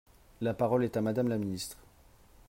La parole est à Madame la ministre.